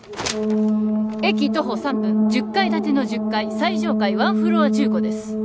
駅徒歩３分１０階建ての１０階最上階ワンフロア住戸です